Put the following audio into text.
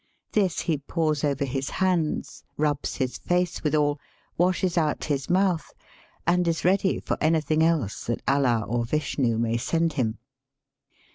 This he pours over his hands, rubs his face withal, washes out his mouth, and is ready for any thing else that Allah or Vishnu may send him.